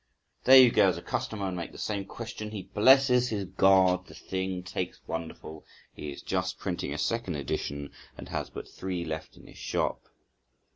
There you go as a customer, and make the same question, "He blesses his God the thing takes wonderful; he is just printing a second edition, and has but three left in his shop."